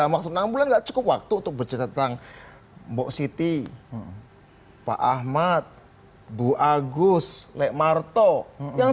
maksud enam bulan gak cukup waktu untuk bercerita tentang mbok siti pak ahmad bu agus lek marto yang